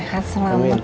selamat amin amin